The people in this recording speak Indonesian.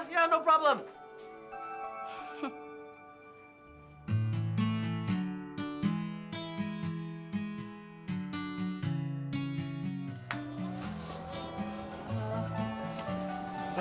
ya tidak ada masalah